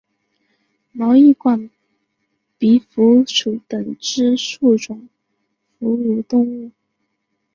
毛翼管鼻蝠属等之数种哺乳动物。